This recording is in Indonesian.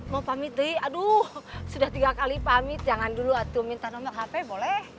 mau pamit deh aduh sudah tiga kali pamit jangan dulu minta nomer hp boleh